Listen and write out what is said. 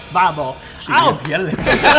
บ้าหรอสีเสื้อยังเพี้ยนเลย